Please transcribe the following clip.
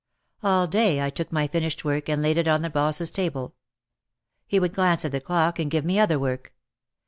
All day I took my finished work and laid it on the boss's table. He would glance at the clock and give me other work.